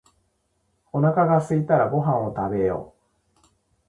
おなかがすいたらご飯を食べよう